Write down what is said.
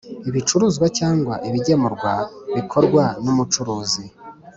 ibicuruzwa cyangwa ibigemurwa bikorwa n umucuruzi